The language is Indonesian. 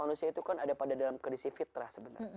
manusia itu kan ada pada dalam kondisi fitrah sebenarnya